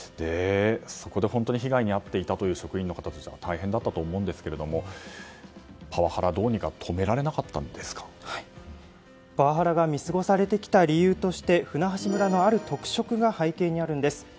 そこで本当に被害に遭っていた職員の方たちは大変だったと思うんですがパワハラはどうにかパワハラが見過ごされてきた理由として舟橋村のある特色が背景にあるんです。